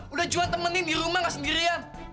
udah juhan temenin di rumah nggak sendirian